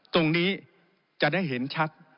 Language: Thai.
ตรงนี้จะได้เห็นชัด